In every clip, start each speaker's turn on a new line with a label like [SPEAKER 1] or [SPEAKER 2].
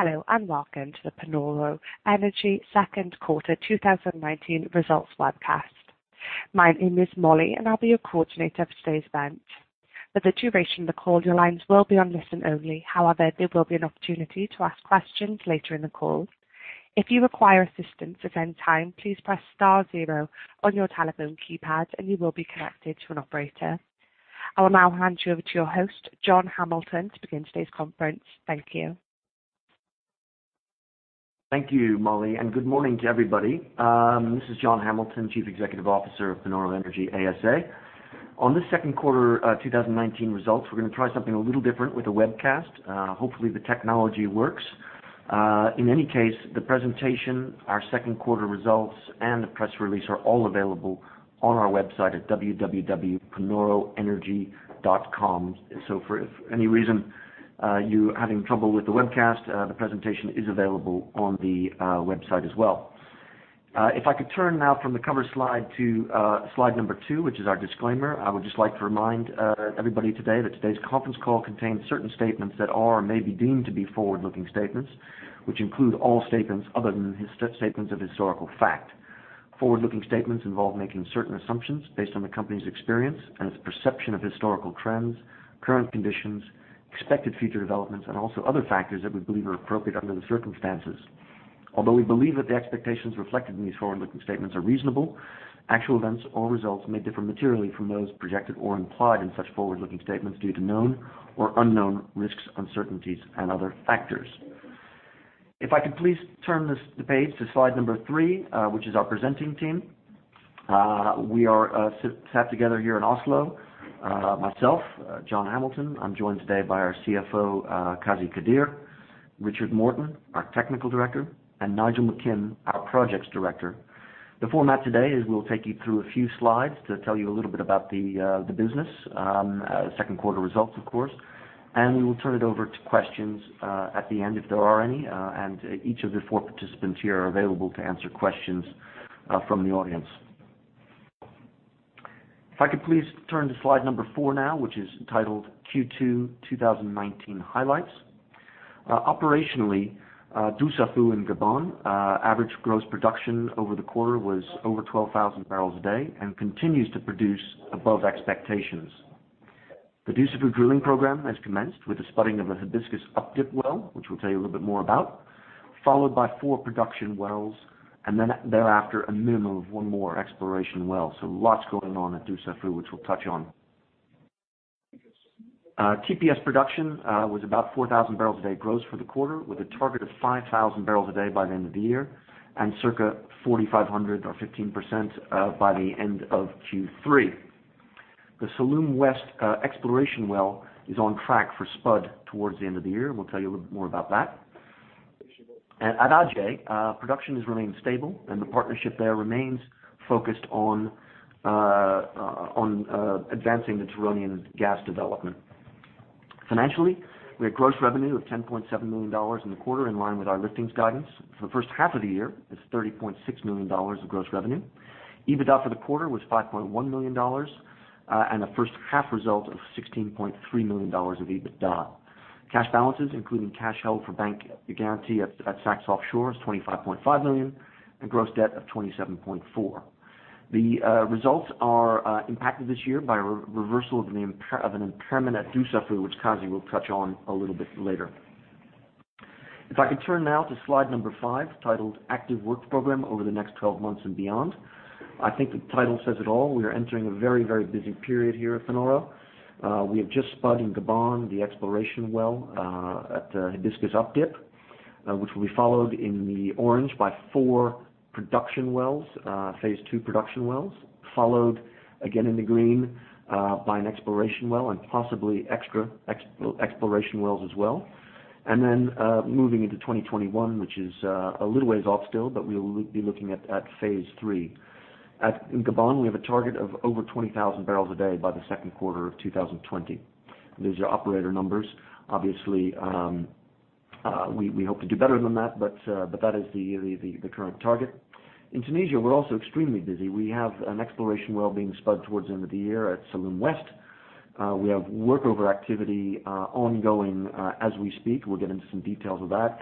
[SPEAKER 1] Hello, and welcome to the Panoro Energy second quarter 2019 results webcast. My name is Molly, and I'll be your coordinator for today's event. For the duration of the call, your lines will be on listen only. However, there will be an opportunity to ask questions later in the call. If you require assistance at any time, please press star zero on your telephone keypad, and you will be connected to an operator. I will now hand you over to your host, John Hamilton, to begin today's conference. Thank you.
[SPEAKER 2] Thank you, Molly, and good morning to everybody. This is John Hamilton, Chief Executive Officer of Panoro Energy ASA. On this second quarter 2019 results, we're going to try something a little different with the webcast. Hopefully, the technology works. In any case, the presentation, our second quarter results, and the press release are all available on our website at www.panoroenergy.com. For any reason you are having trouble with the webcast, the presentation is available on the website as well. If I could turn now from the cover slide to slide number two, which is our disclaimer. I would just like to remind everybody today that today's conference call contains certain statements that are or may be deemed to be forward-looking statements, which include all statements other than statements of historical fact. Forward-looking statements involve making certain assumptions based on the company's experience and its perception of historical trends, current conditions, expected future developments, and also other factors that we believe are appropriate under the circumstances. Although we believe that the expectations reflected in these forward-looking statements are reasonable, actual events or results may differ materially from those projected or implied in such forward-looking statements due to known or unknown risks, uncertainties, and other factors. If I could please turn the page to slide number three which is our presenting team. We are sat together here in Oslo. Myself, John Hamilton, I'm joined today by our CFO, Qazi Qadeer, Richard Morton, our Technical Director, and Nigel McKim, our Projects Director. The format today is we'll take you through a few slides to tell you a little bit about the business, second quarter results of course. We will turn it over to questions at the end if there are any. Each of the four participants here are available to answer questions from the audience. If I could please turn to slide number four now, which is titled Q2 2019 Highlights. Operationally, Dussafu in Gabon, average gross production over the quarter was over 12,000 barrels a day and continues to produce above expectations. The Dussafu drilling program has commenced with the spudding of a Hibiscus up-dip well, which we'll tell you a little bit more about, followed by four production wells, then thereafter, a minimum of one more exploration well. Lots going on at Dussafu, which we'll touch on. TPS production was about 4,000 barrels a day gross for the quarter, with a target of 5,000 barrels a day by the end of the year, and circa 4,500 or 15% by the end of Q3. The Salloum West exploration well is on track for spud towards the end of the year. We'll tell you a little bit more about that. At Aje, production has remained stable, and the partnership there remains focused on advancing the Turonian gas development. Financially, we had gross revenue of $10.7 million in the quarter in line with our listings guidance. For the first half of the year, it's $30.6 million of gross revenue. EBITDA for the quarter was $5.1 million, and a first-half result of $16.3 million of EBITDA. Cash balances, including cash held for bank guarantee at Sfax Offshore is $25.5 million, and gross debt of $27.4. The results are impacted this year by a reversal of an impairment at Dussafu, which Qazi will touch on a little bit later. If I could turn now to slide number five, titled Active Work Program Over the next 12 months and Beyond. I think the title says it all. We are entering a very busy period here at Panoro. We have just spud in Gabon, the exploration well at Hibiscus up-dip which will be followed in the orange by four production wells, phase two production wells, followed again in the green by an exploration well and possibly extra exploration wells as well. Moving into 2021, which is a little ways off still, but we'll be looking at phase three. In Gabon, we have a target of over 20,000 barrels a day by the second quarter of 2020. These are operator numbers. Obviously, we hope to do better than that, but that is the current target. In Tunisia, we're also extremely busy. We have an exploration well being spud towards the end of the year at Salloum West. We have workover activity ongoing as we speak. We'll get into some details of that.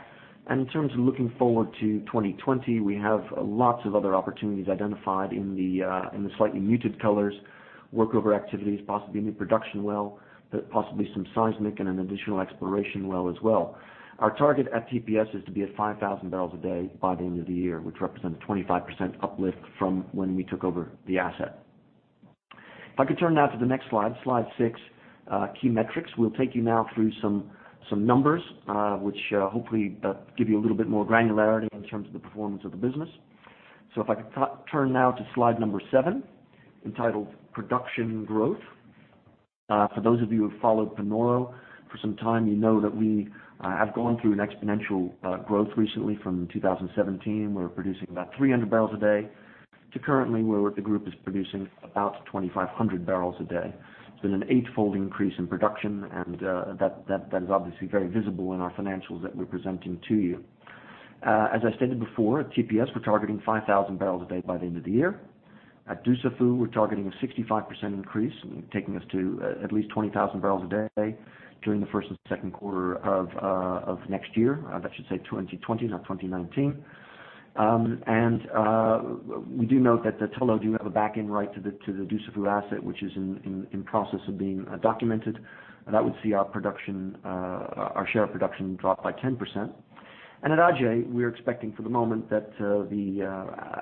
[SPEAKER 2] In terms of looking forward to 2020, we have lots of other opportunities identified in the slightly muted colors, workover activities, possibly a new production well, possibly some seismic and an additional exploration well as well. Our target at TPS is to be at 5,000 barrels a day by the end of the year, which represents a 25% uplift from when we took over the asset. If I could turn now to the next slide six, key metrics. We'll take you now through some numbers, which hopefully give you a little bit more granularity in terms of the performance of the business. If I could turn now to slide number seven, entitled Production Growth. For those of you who have followed Panoro for some time, you know that we have gone through an exponential growth recently from 2017. We were producing about 300 barrels a day to currently where the group is producing about 2,500 barrels a day. It's been an eightfold increase in production, and that is obviously very visible in our financials that we're presenting to you. As I stated before, at TPS, we're targeting 5,000 barrels a day by the end of the year. At Dussafu, we're targeting a 65% increase, taking us to at least 20,000 barrels a day during the first and second quarter of next year. That should say 2020, not 2019. We do note that Tullow does have a back-in right to the Dussafu asset, which is in process of being documented. That would see our share production drop by 10%. At Aje, we're expecting for the moment that the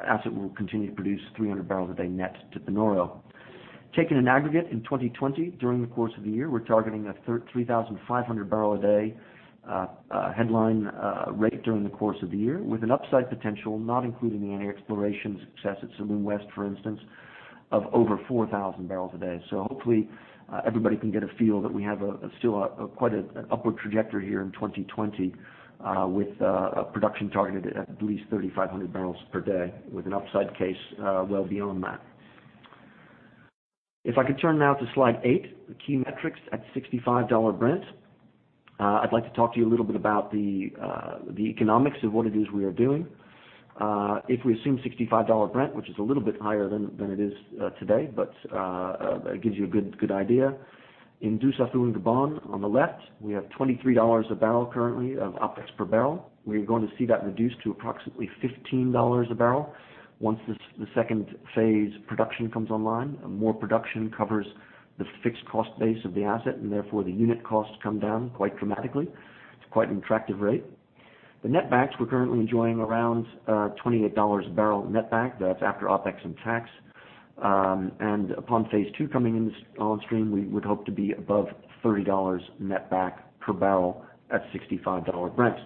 [SPEAKER 2] asset will continue to produce 300 barrels a day net to Panoro. Taken in aggregate in 2020, during the course of the year, we're targeting a 3,500 barrel a day headline rate during the course of the year, with an upside potential, not including any exploration success at Salloum West, for instance, of over 4,000 barrels a day. Hopefully, everybody can get a feel that we have still quite an upward trajectory here in 2020 with production targeted at least 3,500 barrels per day, with an upside case well beyond that. If I could turn now to slide eight, the key metrics at $65 Brent. I'd like to talk to you a little bit about the economics of what it is we are doing. If we assume $65 Brent, which is a little bit higher than it is today, but it gives you a good idea. In Dussafu, Gabon, on the left, we have $23 a barrel currently of OpEx per barrel. We're going to see that reduced to approximately $15 a barrel once the second phase production comes online. More production covers the fixed cost base of the asset, and therefore, the unit costs come down quite dramatically. It's quite an attractive rate. The netbacks, we're currently enjoying around $28 a barrel netback. That's after OpEx and tax. Upon phase two coming on stream, we would hope to be above $30 netback per barrel at $65 Brent.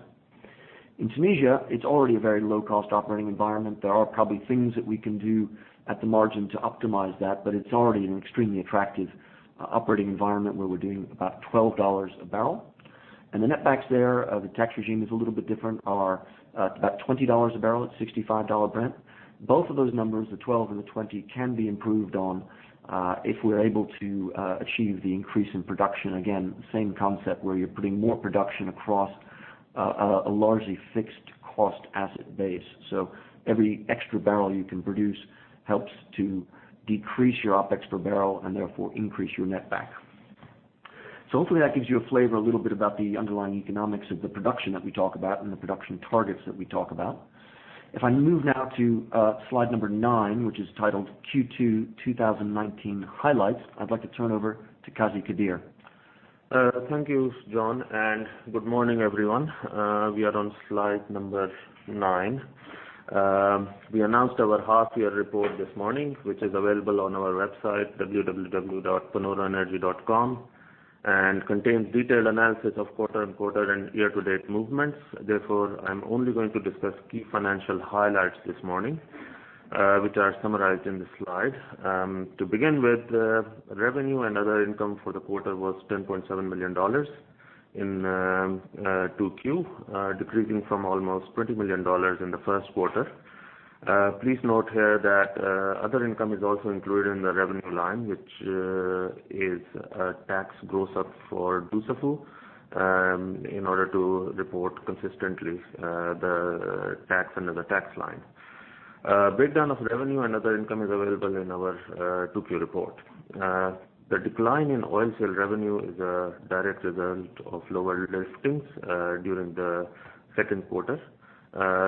[SPEAKER 2] In Tunisia, it's already a very low-cost operating environment. There are probably things that we can do at the margin to optimize that, but it's already an extremely attractive operating environment where we're doing about $12 a barrel. The netbacks there, the tax regime is a little bit different, are about $20 a barrel at $65 Brent. Both of those numbers, the 12 and the 20, can be improved on if we're able to achieve the increase in production. Again, same concept where you're putting more production across a largely fixed cost asset base. Every extra barrel you can produce helps to decrease your OpEx per barrel and therefore increase your netback. Hopefully that gives you a flavor a little bit about the underlying economics of the production that we talk about and the production targets that we talk about. If I move now to slide number nine, which is titled Q2 2019 highlights, I'd like to turn over to Qazi Qadeer.
[SPEAKER 3] Thank you, John, and good morning, everyone. We are on slide number nine. We announced our half-year report this morning, which is available on our website, www.panoroenergy.com, and contains detailed analysis of quarter-on-quarter and year-to-date movements. I'm only going to discuss key financial highlights this morning, which are summarized in the slide. To begin with, revenue and other income for the quarter was $10.7 million in 2Q, decreasing from almost $20 million in the first quarter. Please note here that other income is also included in the revenue line, which is a tax gross up for Dussafu in order to report consistently the tax under the tax line. Breakdown of revenue and other income is available in our 2Q report. The decline in oil sale revenue is a direct result of lower liftings during the second quarter,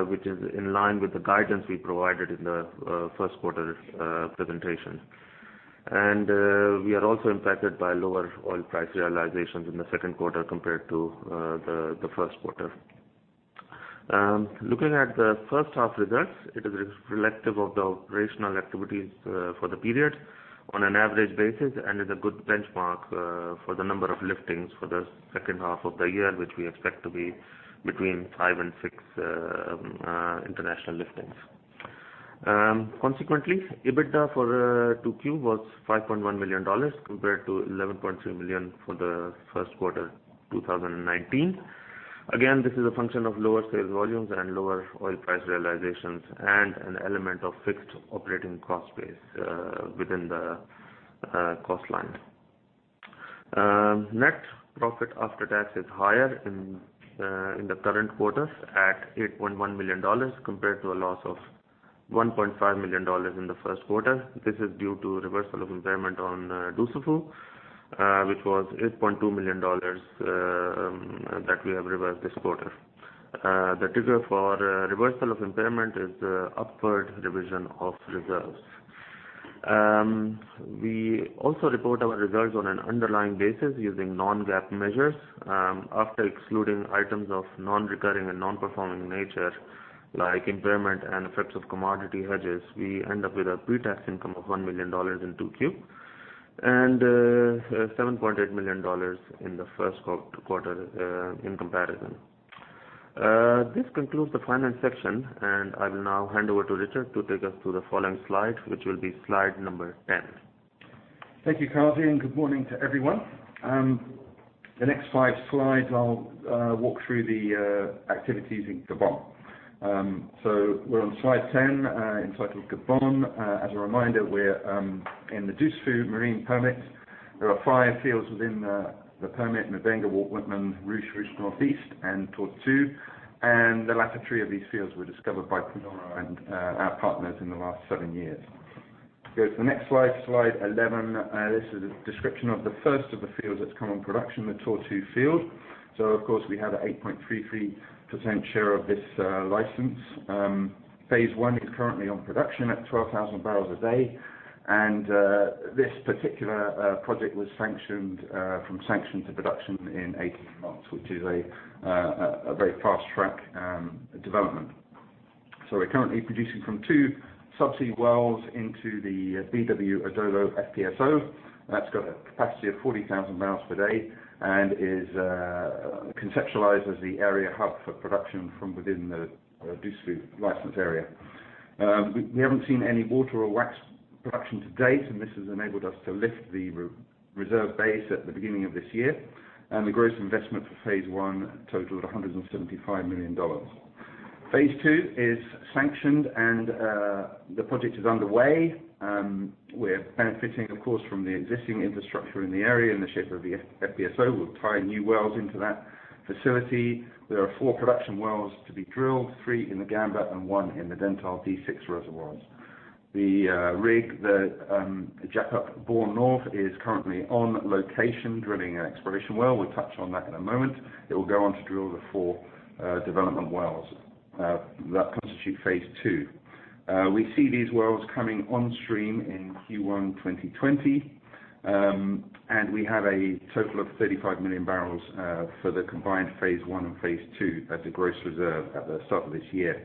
[SPEAKER 3] which is in line with the guidance we provided in the first quarter presentation. We are also impacted by lower oil price realizations in the second quarter compared to the first quarter. Looking at the first half results, it is reflective of the operational activities for the period on an average basis and is a good benchmark for the number of liftings for the second half of the year, which we expect to be between five and six international liftings. Consequently, EBITDA for 2Q was $5.1 million, compared to $11.3 million for the first quarter 2019. Again, this is a function of lower sales volumes and lower oil price realizations and an element of fixed operating cost base within the cost line. Net profit after tax is higher in the current quarter at $8.1 million, compared to a loss of $1.5 million in the first quarter. This is due to reversal of impairment on Dussafu, which was $8.2 million that we have reversed this quarter. The trigger for reversal of impairment is the upward revision of reserves. We also report our results on an underlying basis using non-GAAP measures. After excluding items of non-recurring and non-performing nature, like impairment and effects of commodity hedges, we end up with a pre-tax income of $1 million in 2Q, and $7.8 million in the first quarter in comparison. This concludes the finance section, I will now hand over to Richard to take us through the following slide, which will be slide number 10.
[SPEAKER 4] Thank you, Qazi, and good morning to everyone. The next five slides, I'll walk through the activities in Gabon. We're on slide 10, entitled Gabon. As a reminder, we're in the Dussafu Marin Permit There are five fields within the permit: Mbenga, Walt Whitman, Ruche North East, and Tortue. The latter three of these fields were discovered by Panoro and our partners in the last seven years. Go to the next slide 11. This is a description of the first of the fields that's come on production, the Tortue field. Of course, we have a 8.33% share of this license. Phase 1 is currently on production at 12,000 barrels a day. This particular project was sanctioned from sanction to production in 18 months, which is a very fast-track development. We're currently producing from two subsea wells into the BW Adolo FPSO. That's got a capacity of 40,000 barrels per day and is conceptualized as the area hub for production from within the Dussafu license area. We haven't seen any water or wax production to date. This has enabled us to lift the reserve base at the beginning of this year. The gross investment for phase 1 totaled $175 million. Phase 2 is sanctioned, and the project is underway. We're benefiting, of course, from the existing infrastructure in the area in the shape of the FPSO. We'll tie new wells into that facility. There are four production wells to be drilled, three in the Gamba and one in the Dentale D6 reservoirs. The rig, the jackup Borr North, is currently on location, drilling an exploration well. We'll touch on that in a moment. It will go on to drill the four development wells. That constitutes phase 2. We see these wells coming on stream in Q1 2020, and we have a total of 35 million barrels for the combined phase 1 and phase 2 as a gross reserve at the start of this year.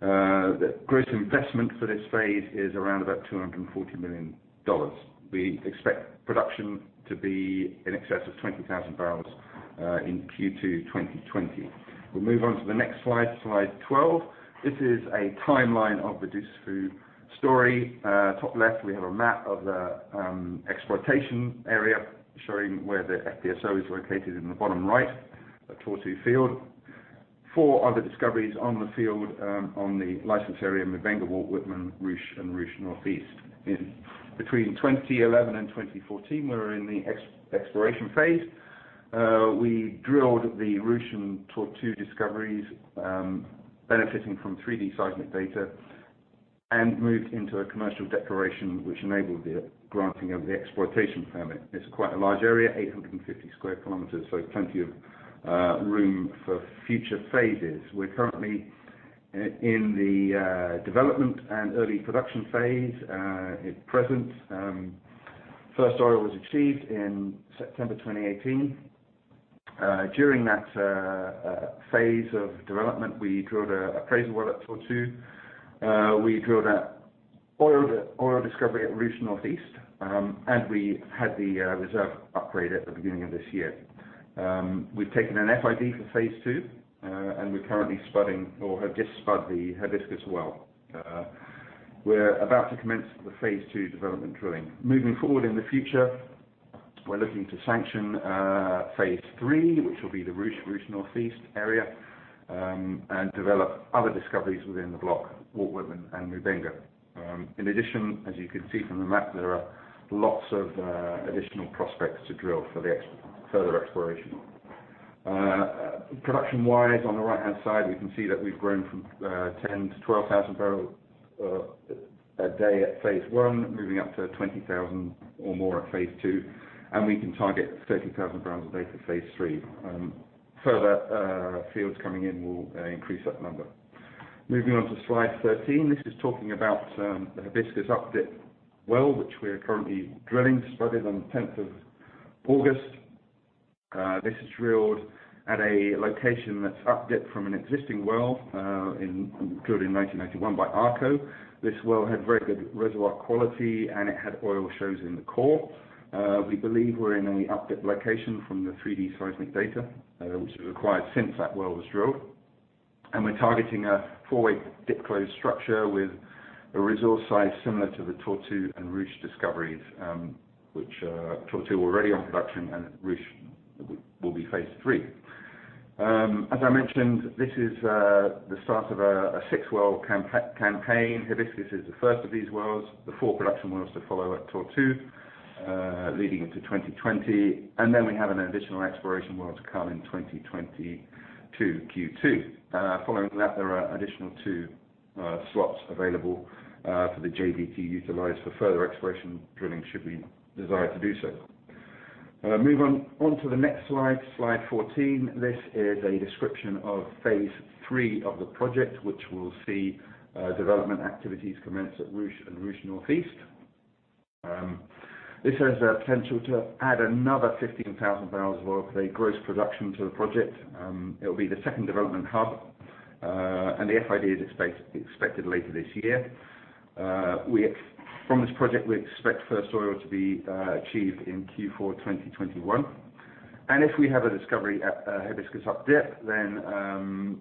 [SPEAKER 4] The gross investment for this phase is around about $240 million. We expect production to be in excess of 20,000 barrels in Q2 2020. We'll move on to the next slide 12. This is a timeline of the Dussafu story. Top left, we have a map of the exploitation area showing where the FPSO is located in the bottom right, the Tortue field. Four other discoveries on the field on the license area, Mbenga, Walt Whitman, Ruche, and Ruche North East. In between 2011 and 2014, we were in the exploration phase. We drilled the Ruche and Tortue discoveries, benefiting from 3D seismic data, and moved into a commercial declaration which enabled the granting of the exploitation permit. It's quite a large area, 850 sq km, so plenty of room for future phases. We're currently in the development and early production phase. At present, first oil was achieved in September 2018. During that phase of development, we drilled an appraisal well at Tortue. We drilled an oil discovery at Ruche North East, and we had the reserve upgrade at the beginning of this year. We've taken an FID for phase 2, and we're currently spudding or have just spudded the Hibiscus well. We're about to commence the phase 2 development drilling. Moving forward in the future, we're looking to sanction phase 3, which will be the Ruche/Ruche North East area, and develop other discoveries within the block, Walt Whitman and Mbenga. In addition, as you can see from the map, there are lots of additional prospects to drill for the further exploration. Production-wise, on the right-hand side, we can see that we've grown from 10,000 to 12,000 barrels a day at phase 1, moving up to 20,000 or more at phase 2, and we can target 30,000 barrels a day for phase 3. Further fields coming in will increase that number. Moving on to slide 13. This is talking about the Hibiscus up-dip well, which we are currently drilling, spudded on the 10th of August. This is drilled at a location that's up-dip from an existing well drilled in 1991 by ARCO. This well had very good reservoir quality, and it had oil shows in the core. We believe we're in an up-dip location from the 3D seismic data, which was acquired since that well was drilled. We're targeting a four-way dip close structure with a resource size similar to the Tortue and Ruche discoveries, which Tortue already on production and Ruche will be phase three. As I mentioned, this is the start of a six-well campaign. Hibiscus is the first of these wells. The four production wells to follow at Tortue, leading into 2020. We have an additional exploration well to come in 2022, Q2. Following that, there are additional two slots available for the JV to utilize for further exploration drilling should we desire to do so. Move on to the next slide 14. This is a description of phase three of the project, which will see development activities commence at Ruche and Ruche North East. This has the potential to add another 15,000 barrels of oil per day gross production to the project. It will be the second development hub. The FID is expected later this year. From this project, we expect first oil to be achieved in Q4 2021. If we have a discovery at Hibiscus up dip, then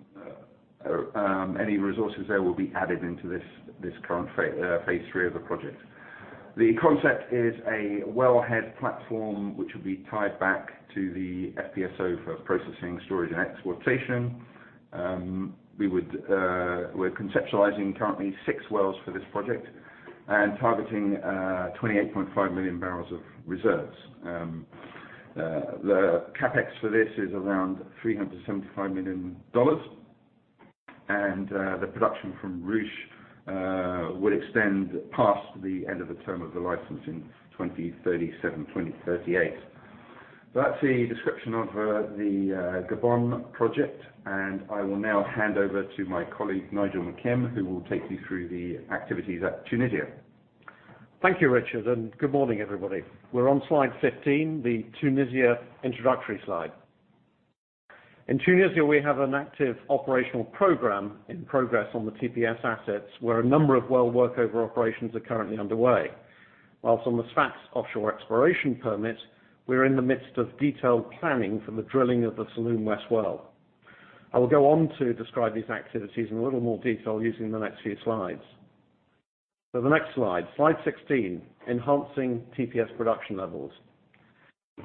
[SPEAKER 4] any resources there will be added into this current phase 3 of the project. The concept is a wellhead platform, which will be tied back to the FPSO for processing, storage, and exploitation. We're conceptualizing currently six wells for this project and targeting 28.5 million barrels of reserves. The CapEx for this is around $375 million. The production from Ruche will extend past the end of the term of the license in 2037, 2038. That's the description of the Gabon project, and I will now hand over to my colleague, Nigel McKim, who will take you through the activities at Tunisia.
[SPEAKER 5] Thank you, Richard. Good morning, everybody. We're on slide 15, the Tunisia introductory slide. In Tunisia, we have an active operational program in progress on the TPS assets, where a number of well workover operations are currently underway. Whilst on the Sfax Offshore Exploration Permit, we're in the midst of detailed planning for the drilling of the Salloum West well. I will go on to describe these activities in a little more detail using the next few slides. The next slide 16, enhancing TPS production levels.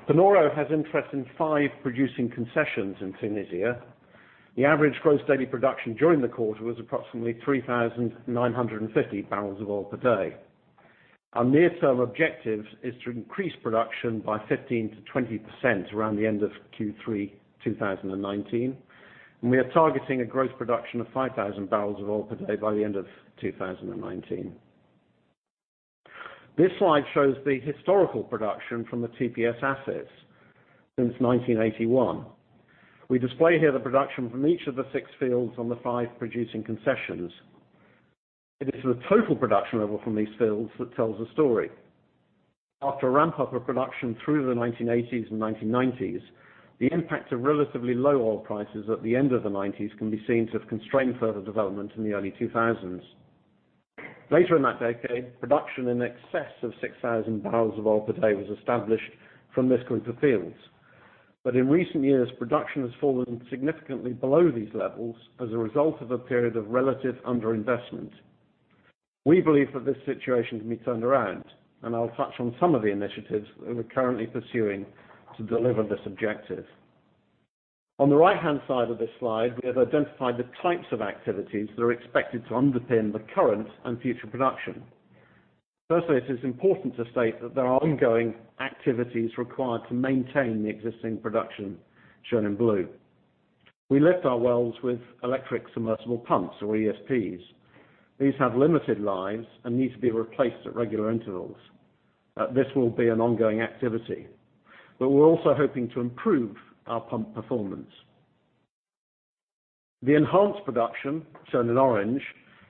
[SPEAKER 5] Panoro has interest in five producing concessions in Tunisia. The average gross daily production during the quarter was approximately 3,950 barrels of oil per day. Our near-term objective is to increase production by 15%-20% around the end of Q3 2019, and we are targeting a gross production of 5,000 barrels of oil per day by the end of 2019. This slide shows the historical production from the TPS assets since 1981. We display here the production from each of the six fields on the five producing concessions. It is the total production level from these fields that tells a story. After a ramp-up of production through the 1980s and 1990s, the impact of relatively low oil prices at the end of the '90s can be seen to have constrained further development in the early 2000s. Later in that decade, production in excess of 6,000 barrels of oil per day was established from this group of fields. In recent years, production has fallen significantly below these levels as a result of a period of relative underinvestment. We believe that this situation can be turned around, and I'll touch on some of the initiatives that we're currently pursuing to deliver this objective. On the right-hand side of this slide, we have identified the types of activities that are expected to underpin the current and future production. Firstly, it is important to state that there are ongoing activities required to maintain the existing production, shown in blue. We lift our wells with electric submersible pumps or ESPs. These have limited lives and need to be replaced at regular intervals. This will be an ongoing activity. We're also hoping to improve our pump performance. The enhanced production, shown in orange,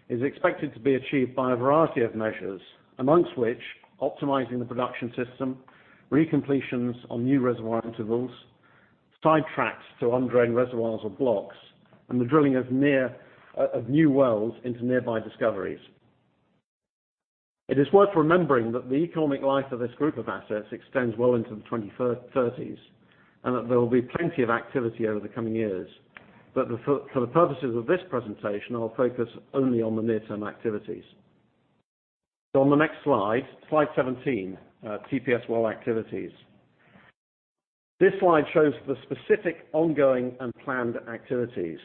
[SPEAKER 5] is expected to be achieved by a variety of measures, amongst which optimizing the production system, recompletions on new reservoir intervals, sidetracks to undrained reservoirs or blocks, and the drilling of new wells into nearby discoveries. It is worth remembering that the economic life of this group of assets extends well into the 2030s, and that there will be plenty of activity over the coming years. For the purposes of this presentation, I'll focus only on the near-term activities. On the next slide 17, TPS well activities. This slide shows the specific ongoing and planned activities.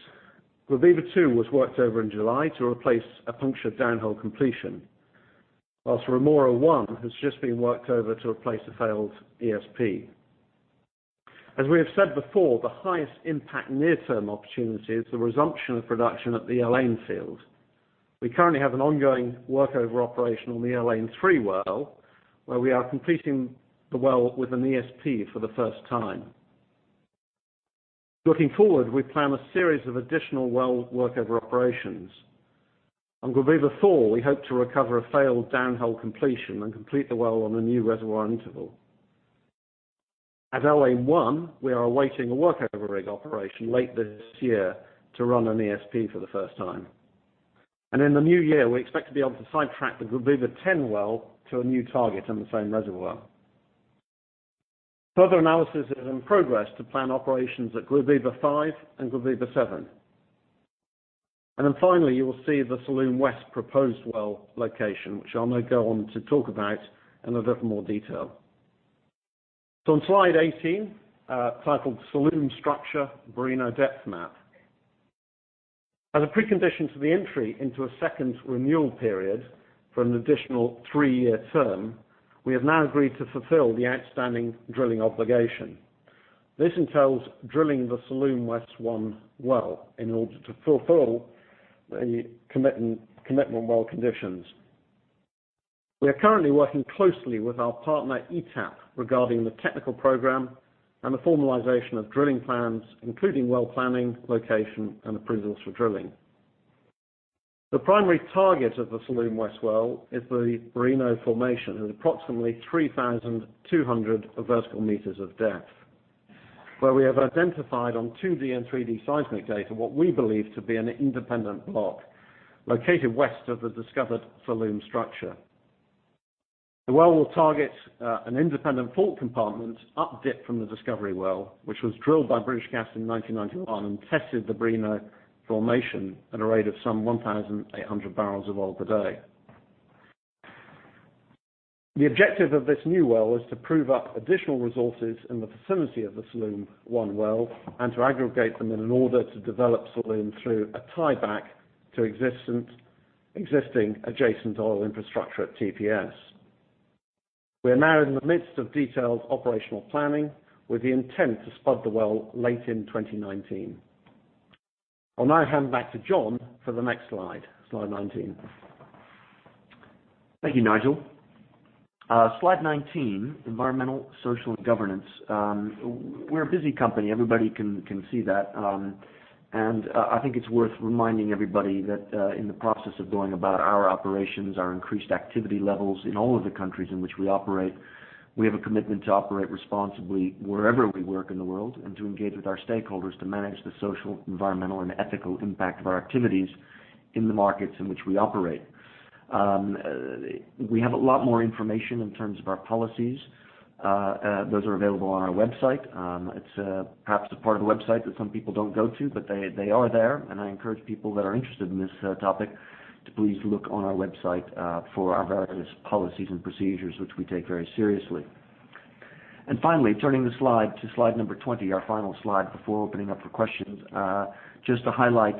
[SPEAKER 5] Guebiba 2 was worked over in July to replace a punctured downhole completion. While Rhemoura-1 has just been worked over to replace a failed ESP. As we have said before, the highest impact near-term opportunity is the resumption of production at the El Ain field. We currently have an ongoing workover operation on the El Ain-3 well, where we are completing the well with an ESP for the first time. Looking forward, we plan a series of additional well workover operations. On Guebiba-4, we hope to recover a failed downhole completion and complete the well on a new reservoir interval. At El Ain-1, we are awaiting a workover rig operation late this year to run an ESP for the first time. In the new year, we expect to be able to sidetrack the Guebiba 10 well to a new target in the same reservoir. Further analysis is in progress to plan operations at Guebiba 5 and Guebiba 7. Finally, you will see the Salloum West proposed well location, which I'll now go on to talk about in a little more detail. On slide 18, titled Salloum Structure Bireno Depth Map. As a precondition to the entry into a second renewal period for an additional three-year term, we have now agreed to fulfill the outstanding drilling obligation. This entails drilling the Salloum West-1 well in order to fulfill the commitment well conditions. We are currently working closely with our partner ETAP regarding the technical program and the formalization of drilling plans, including well planning, location, and approvals for drilling. The primary target of the Salloum West well is the Bireno formation at approximately 3,200 vertical meters of depth. Where we have identified on 2D and 3D seismic data what we believe to be an independent block located west of the discovered Salloum structure. The well will target an independent fault compartment up dip from the discovery well, which was drilled by British Gas in 1991 and tested the Bireno formation at a rate of some 1,800 barrels of oil per day. The objective of this new well is to prove up additional resources in the vicinity of the Salloum-1 well and to aggregate them in an order to develop Salloum through a tieback to existing adjacent oil infrastructure at TPS. We are now in the midst of detailed operational planning with the intent to spud the well late in 2019. I'll now hand back to John for the next slide 19.
[SPEAKER 2] Thank you, Nigel. Slide 19, environmental, social, and governance. We're a busy company. Everybody can see that. I think it's worth reminding everybody that in the process of going about our operations, our increased activity levels in all of the countries in which we operate, we have a commitment to operate responsibly wherever we work in the world, and to engage with our stakeholders to manage the social, environmental, and ethical impact of our activities in the markets in which we operate. We have a lot more information in terms of our policies. Those are available on our website. It's perhaps a part of the website that some people don't go to, but they are there, and I encourage people that are interested in this topic to please look on our website for our various policies and procedures, which we take very seriously. Finally, turning the slide to slide number 20, our final slide before opening up for questions. Just to highlight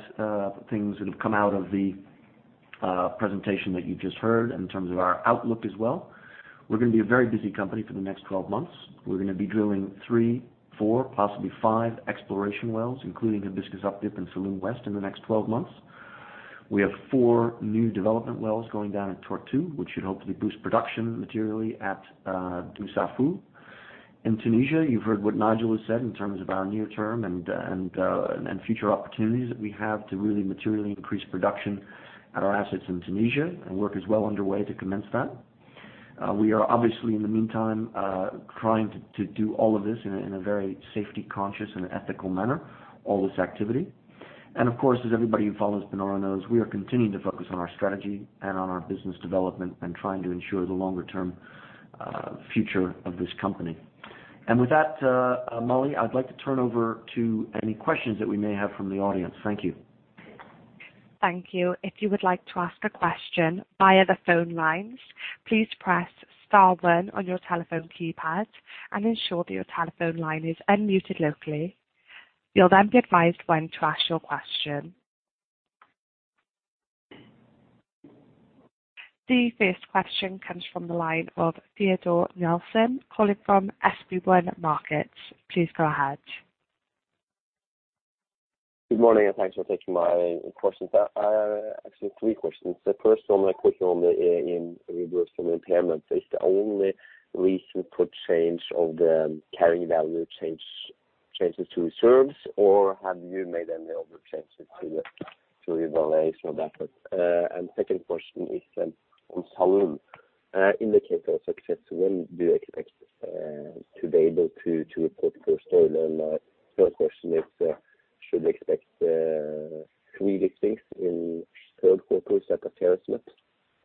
[SPEAKER 2] things that have come out of the presentation that you've just heard in terms of our outlook as well. We're going to be a very busy company for the next 12 months. We're going to be drilling three, four, possibly five exploration wells, including Hibiscus Updip and Salloum West in the next 12 months. We have four new development wells going down in Tortue, which should hopefully boost production materially at Dussafu. In Tunisia, you've heard what Nigel has said in terms of our near term and future opportunities that we have to really materially increase production at our assets in Tunisia, and work is well underway to commence that. We are obviously, in the meantime, trying to do all of this in a very safety conscious and ethical manner, all this activity. Of course, as everybody who follows Panoro knows, we are continuing to focus on our strategy and on our business development and trying to ensure the longer-term future of this company. With that, Molly, I'd like to turn over to any questions that we may have from the audience. Thank you.
[SPEAKER 1] Thank you. If you would like to ask a question via the phone lines, please press *1 on your telephone keypad and ensure that your telephone line is unmuted locally. You'll then be advised when to ask your question. The first question comes from the line of Teodor Sveen-Nilsen, calling from SB1 Markets. Please go ahead.
[SPEAKER 6] Good morning, thanks for taking my questions. I have actually three questions. The first one, a question on the reverse of impairment. Is the only recent put change of the carrying value changes to reserves, or have you made any other changes to your valuation of that? Second question is on Salloum. Indicator of success, when do you expect to be able to report first oil? Third question is, should we expect three listings in third quarter as a fairness note?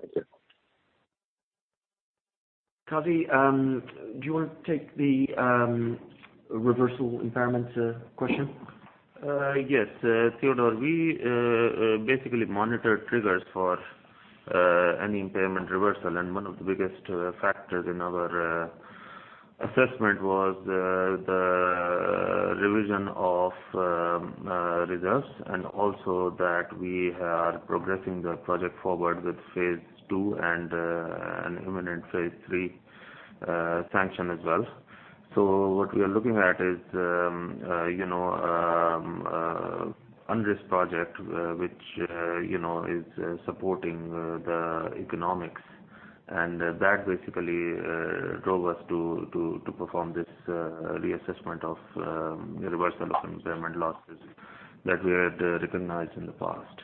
[SPEAKER 6] Thank you.
[SPEAKER 2] Qazi, do you want to take the reversal impairments question?
[SPEAKER 3] Yes, Teodor. We basically monitor triggers for any impairment reversal, and one of the biggest factors in our assessment was the revision of reserves and also that we are progressing the project forward with phase two and an imminent phase three sanction as well. What we are looking at is the Undris project, which is supporting the economics. That basically drove us to perform this reassessment of reversal of impairment losses that we had recognized in the past.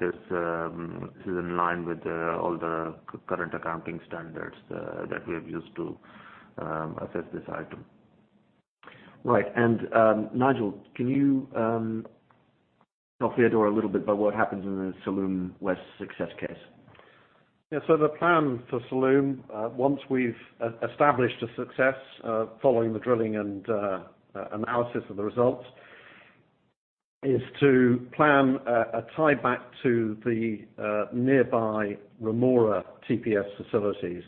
[SPEAKER 3] This is in line with all the current accounting standards that we have used to assess this item.
[SPEAKER 2] Right. Nigel, can you tell Teodor a little bit about what happens in the Salloum West success case?
[SPEAKER 5] Yeah. The plan for Salloum, once we've established a success following the drilling and analysis of the results, is to plan a tieback to the nearby Rhemoura TPS facilities.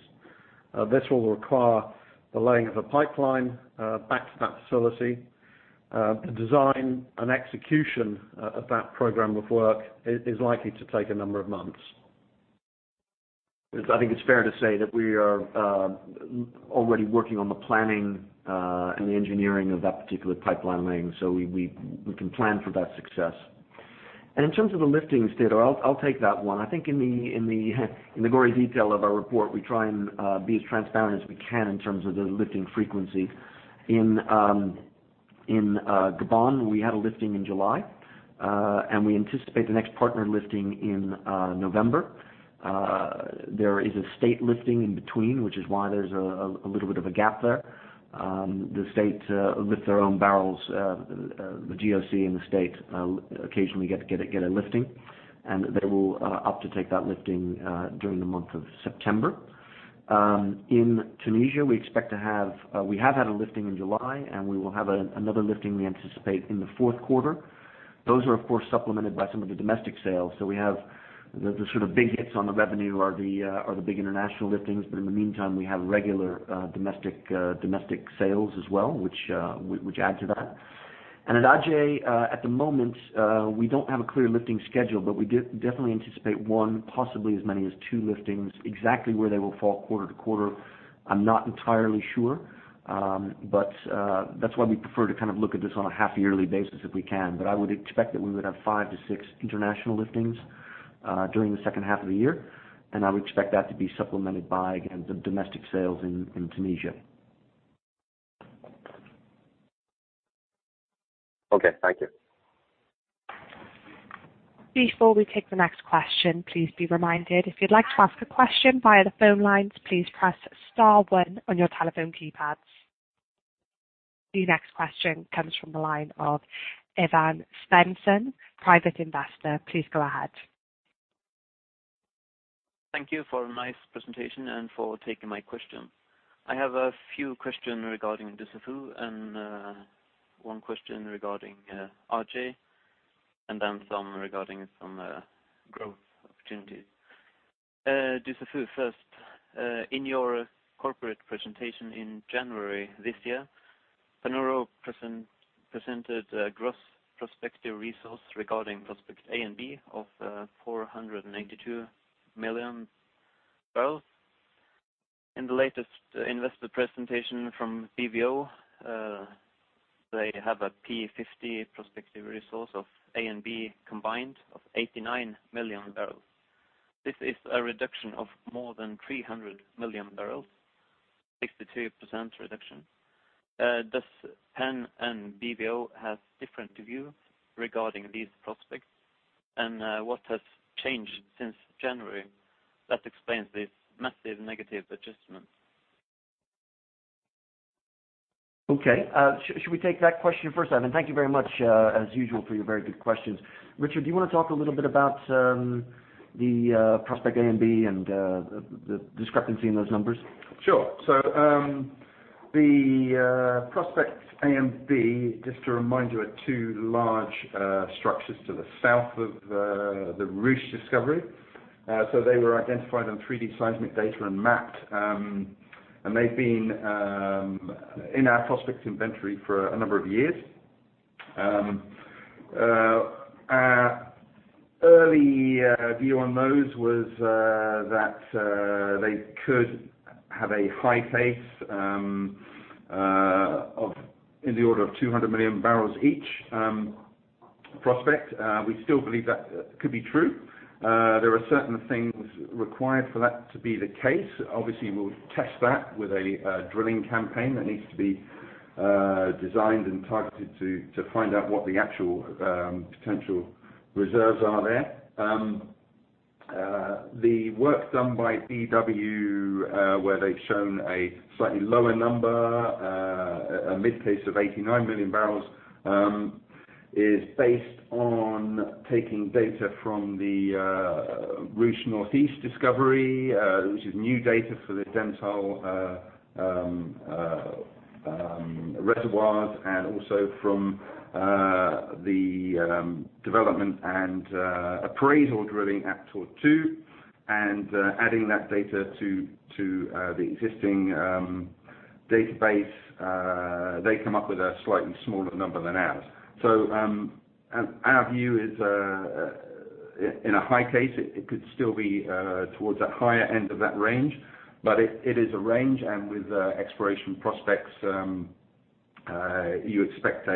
[SPEAKER 5] This will require the laying of a pipeline back to that facility. The design and execution of that program of work is likely to take a number of months.
[SPEAKER 2] I think it's fair to say that we are already working on the planning and the engineering of that particular pipeline laying, so we can plan for that success. In terms of the liftings, Teodor, I'll take that one. I think in the gory detail of our report, we try and be as transparent as we can in terms of the lifting frequency. In Gabon, we had a lifting in July. We anticipate the next partner lifting in November. There is a state lifting in between, which is why there's a little bit of a gap there. The state lift their own barrels. The GOC and the state occasionally get a lifting, and they will opt to take that lifting during the month of September. In Tunisia, we have had a lifting in July, and we will have another lifting we anticipate in the fourth quarter. Those are, of course, supplemented by some of the domestic sales. The sort of big hits on the revenue are the big international liftings. In the meantime, we have regular domestic sales as well, which add to that. At Aje, at the moment, we don't have a clear lifting schedule, but we definitely anticipate one, possibly as many as two liftings. Exactly where they will fall quarter to quarter, I'm not entirely sure. That's why we prefer to kind of look at this on a half yearly basis if we can. I would expect that we would have five to six international liftings during the second half of the year, and I would expect that to be supplemented by, again, the domestic sales in Tunisia.
[SPEAKER 6] Okay. Thank you.
[SPEAKER 1] Before we take the next question, please be reminded, if you'd like to ask a question via the phone lines, please press star one on your telephone keypads. The next question comes from the line of Eivind Svensson, private investor. Please go ahead.
[SPEAKER 7] Thank you for a nice presentation and for taking my question. I have a few questions regarding Dussafu and one question regarding Aje, then some regarding some growth opportunities. Dussafu first. In your corporate presentation in January this year, Panoro presented a gross prospective resource regarding prospects A and B of 482 million barrels. In the latest investor presentation from BW Energy, they have a P 50 prospective resource of A and B combined of 89 million barrels. This is a reduction of more than 300 million barrels, 62% reduction. Does Pan and BW Energy have different views regarding these prospects? What has changed since January that explains this massive negative adjustment?
[SPEAKER 2] Okay. Should we take that question first, Eivind? Thank you very much, as usual, for your very good questions. Richard, do you want to talk a little bit about the prospect A and B and the discrepancy in those numbers?
[SPEAKER 4] Sure. The prospects A and B, just to remind you, are two large structures to the south of the Ruche discovery. They were identified on 3D seismic data and mapped. They've been in our prospects inventory for a number of years. Our early view on those was that they could have a high pace in the order of 200 million barrels each prospect. We still believe that could be true. There are certain things required for that to be the case. Obviously, we'll test that with a drilling campaign that needs to be designed and targeted to find out what the actual potential reserves are there. The work done by BW, where they've shown a slightly lower number, a mid case of 89 million barrels, is based on taking data from the Ruche North East discovery, which is new data for the Dentale reservoirs, and also from the development and appraisal drilling at Tortue, and adding that data to the existing database. They come up with a slightly smaller number than ours. Our view is in a high case, it could still be towards that higher end of that range, but it is a range. With exploration prospects, you expect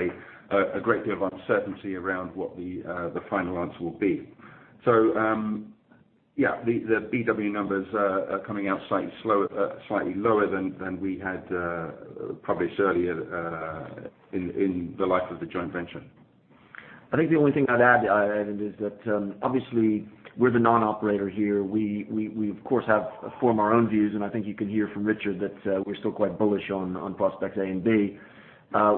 [SPEAKER 4] a great deal of uncertainty around what the final answer will be. Yeah, the BW numbers are coming out slightly lower than we had published earlier in the life of the joint venture.
[SPEAKER 2] I think the only thing I'd add, Eivind, is that obviously we're the non-operator here. We, of course, form our own views, and I think you can hear from Richard that we're still quite bullish on prospects A and B.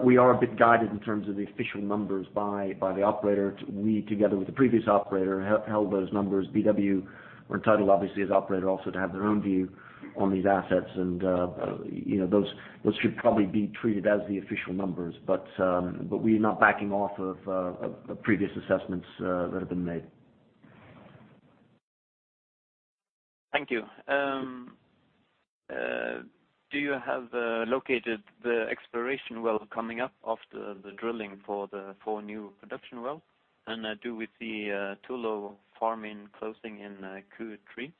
[SPEAKER 2] We are a bit guided in terms of the official numbers by the operator. We, together with the previous operator, held those numbers. BW are entitled, obviously, as operator also to have their own view on these assets. Those should probably be treated as the official numbers. We are not backing off of the previous assessments that have been made.
[SPEAKER 7] Thank you. Do you have located the exploration well coming up after the drilling for the four new production well? Do we see Tullow farming closing in Q3?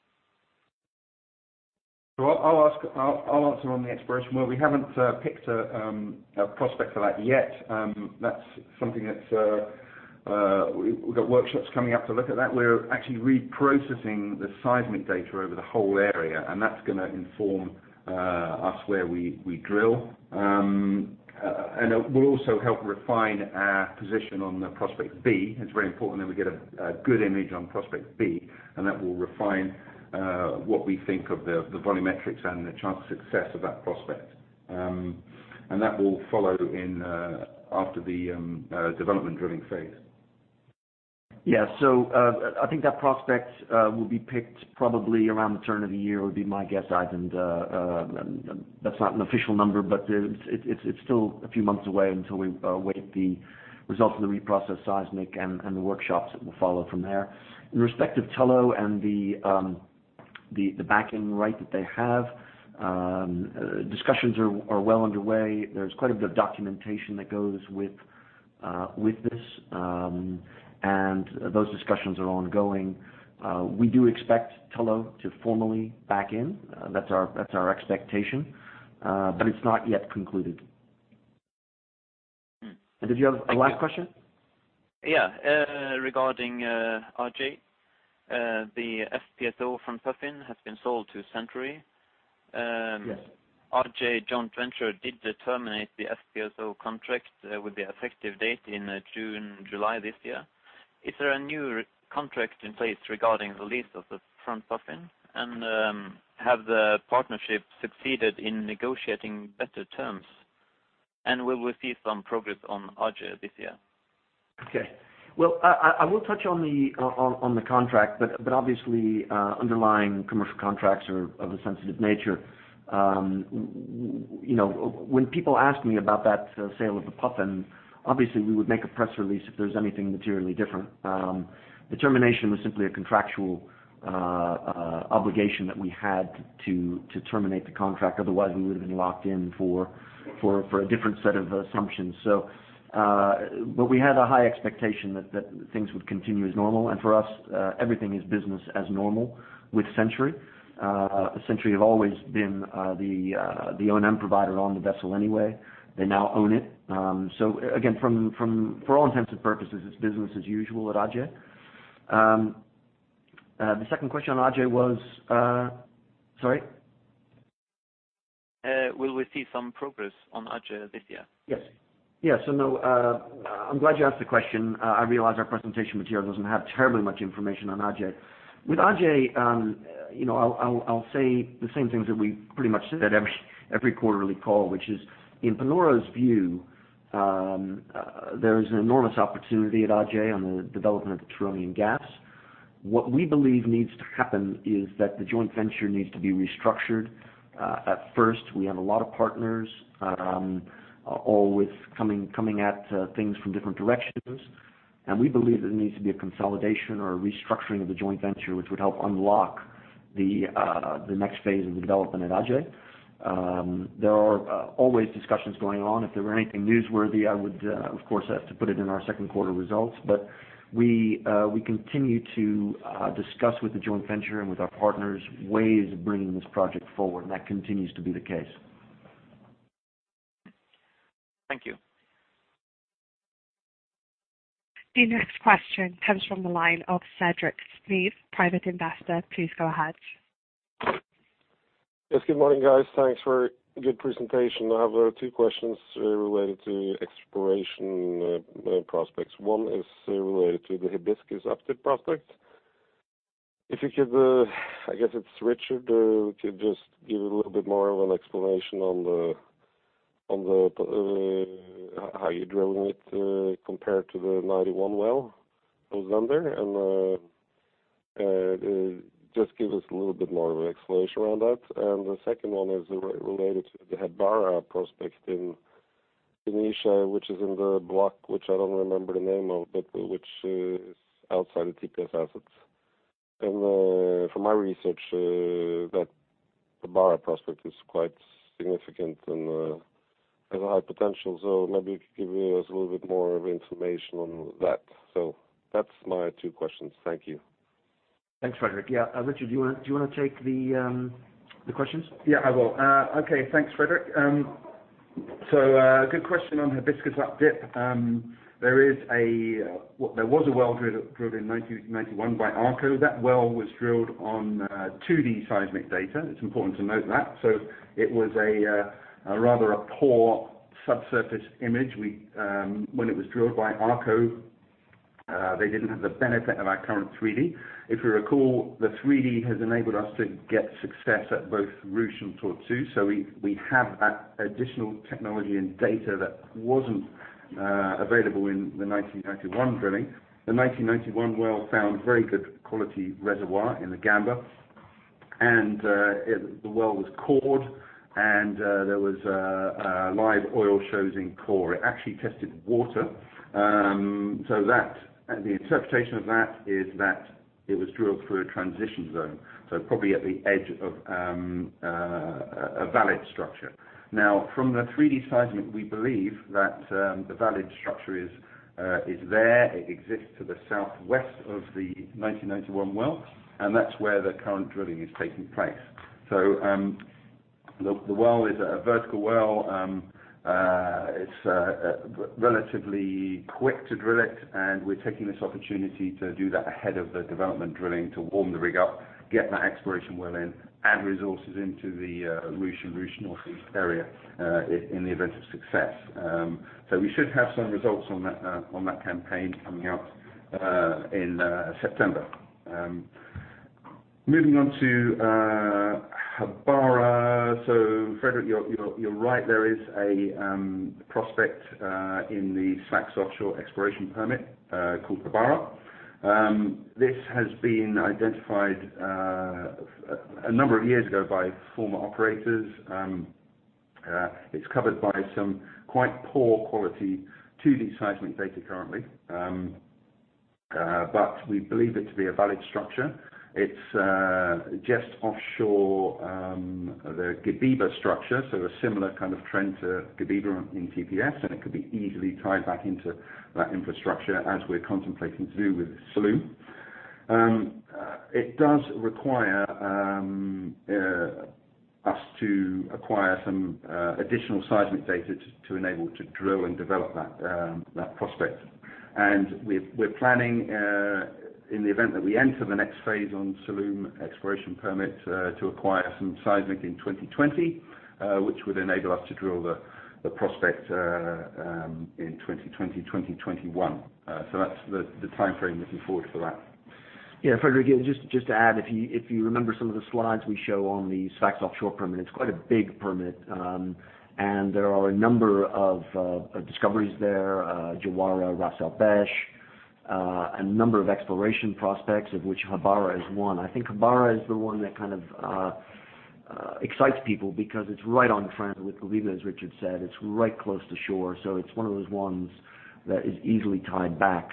[SPEAKER 4] I'll answer on the exploration well. We haven't picked a prospect for that yet. That's something that we've got workshops coming up to look at that. We're actually reprocessing the seismic data over the whole area, and that's going to inform us where we drill. It will also help refine our position on the prospect B. It's very important that we get a good image on prospect B, and that will refine what we think of the volumetrics and the chance of success of that prospect. That will follow after the development drilling phase.
[SPEAKER 2] I think that prospect will be picked probably around the turn of the year, would be my guess, Eivind. That's not an official number, but it's still a few months away until we await the results of the reprocessed seismic and the workshops that will follow from there. In respect of Tullow and the back-end right that they have, discussions are well underway. There's quite a bit of documentation that goes with this, and those discussions are ongoing. We do expect Tullow to formally back in. That's our expectation. It's not yet concluded. Did you have a last question?
[SPEAKER 7] Yeah. Regarding Aje. The FPSO Front Puffin has been sold to Century.
[SPEAKER 2] Yes.
[SPEAKER 7] Aje joint venture did terminate the FPSO contract with the effective date in June, July this year. Is there a new contract in place regarding the lease of the Front Puffin? Have the partnership succeeded in negotiating better terms? Will we see some progress on Aje this year?
[SPEAKER 2] Okay. Well, I will touch on the contract, obviously, underlying commercial contracts are of a sensitive nature. When people ask me about that sale of the Puffin, obviously we would make a press release if there's anything materially different. The termination was simply a contractual obligation that we had to terminate the contract, otherwise we would've been locked in for a different set of assumptions. We had a high expectation that things would continue as normal. For us, everything is business as normal with Century. Century have always been the O&M provider on the vessel anyway. They now own it. Again, for all intents and purposes, it's business as usual at Aje. The second question on Aje was Sorry?
[SPEAKER 7] Will we see some progress on Aje this year?
[SPEAKER 2] Yes. No, I'm glad you asked the question. I realize our presentation material doesn't have terribly much information on Aje. With Aje, I'll say the same things that we pretty much say at every quarterly call, which is, in Panoro's view, there is an enormous opportunity at Aje on the development of the Turonian gaps. What we believe needs to happen is that the joint venture needs to be restructured. At first, we have a lot of partners, all with coming at things from different directions. We believe there needs to be a consolidation or a restructuring of the joint venture, which would help unlock the next phase of the development at Aje. There are always discussions going on. If there were anything newsworthy, I would, of course, have to put it in our second quarter results. We continue to discuss with the joint venture and with our partners ways of bringing this project forward, and that continues to be the case.
[SPEAKER 7] Thank you.
[SPEAKER 1] The next question comes from the line of Cedric Smith, private investor. Please go ahead.
[SPEAKER 7] Yes, good morning, guys. Thanks for a good presentation. I have two questions related to exploration prospects. One is related to the Hibiscus Up Dip prospect. I guess it's Richard, if you could just give a little bit more of an explanation on how you're drilling it compared to the '91 well that was under. Just give us a little bit more of an explanation around that. The second one is related to the Habara prospect in Tunisia, which is in the block, which I don't remember the name of, but which is outside of TPS assets. From my research, the Habara prospect is quite significant and has a high potential. Maybe you could give us a little bit more information on that. That's my two questions. Thank you.
[SPEAKER 2] Thanks, Cedric. Yeah, Richard, do you want to take the questions?
[SPEAKER 4] Yeah, I will. Okay, thanks, Cedric. Good question on Hibiscus Up Dip. There was a well drilled in 1991 by ARCO. That well was drilled on 2D seismic data. It's important to note that. It was a rather poor subsurface image. When it was drilled by ARCO, they didn't have the benefit of our current 3D. If you recall, the 3D has enabled us to get success at both Ruche and Tortue, so we have that additional technology and data that wasn't available in the 1991 drilling. The 1991 well found very good quality reservoir in the Gamba. The well was cored, and there was live oil shows in core. It actually tested water. The interpretation of that is that it was drilled through a transition zone, so probably at the edge of a valid structure. From the 3D seismic, we believe that the valid structure is there. It exists to the southwest of the 1991 well, and that's where the current drilling is taking place. The well is a vertical well. It's relatively quick to drill it, and we're taking this opportunity to do that ahead of the development drilling to warm the rig up, get that exploration well in, add resources into the Ruche and Ruche Northeast area, in the event of success. We should have some results on that campaign coming out in September. Moving on to Habara. Frederick, you're right. There is a prospect in the Sfax Offshore Exploration Permit called Habara. This has been identified a number of years ago by former operators. It's covered by some quite poor quality 2D seismic data currently. We believe it to be a valid structure. It's just offshore the Guebiba structure, so a similar kind of trend to Guebiba in TPS, and it could be easily tied back into that infrastructure as we're contemplating to do with Salloum. It does require us to acquire some additional seismic data to enable to drill and develop that prospect. We're planning, in the event that we enter the next phase on Salloum exploration permit, to acquire some seismic in 2020, which would enable us to drill the prospect in 2020, 2021. That's the timeframe looking forward for that.
[SPEAKER 2] Yeah, Frederick, just to add, if you remember some of the slides we show on the Sfax offshore permit. It is quite a big permit, and there are a number of discoveries there, Jawahra, Ras El Besh, a number of exploration prospects of which Habara is one. I think Habara is the one that kind of excites people because it is right on trend with Guebiba, as Richard said. It is right close to shore, so it is one of those ones that is easily tied back.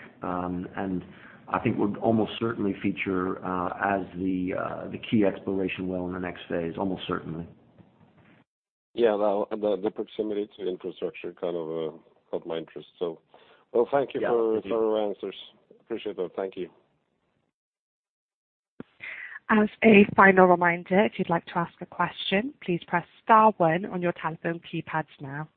[SPEAKER 2] I think would almost certainly feature as the key exploration well in the next phase, almost certainly.
[SPEAKER 7] Yeah. The proximity to infrastructure kind of caught my interest. Well, thank you for your answers. Appreciate it. Thank you.
[SPEAKER 1] As a final reminder, if you'd like to ask a question, please press star one on your telephone keypads now.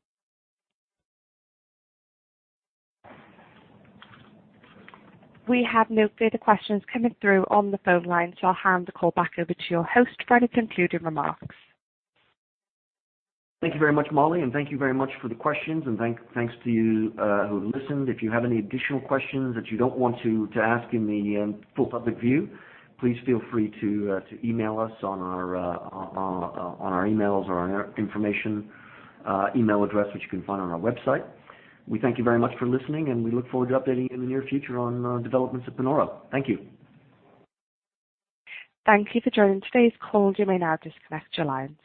[SPEAKER 1] We have no further questions coming through on the phone line, so I'll hand the call back over to your host for any concluding remarks.
[SPEAKER 2] Thank you very much, Molly. Thank you very much for the questions. Thanks to you who listened. If you have any additional questions that you don't want to ask in the full public view, please feel free to email us on our emails or on our information email address, which you can find on our website. We thank you very much for listening, and we look forward to updating you in the near future on developments at Panoro. Thank you.
[SPEAKER 1] Thank you for joining today's call. You may now disconnect your lines.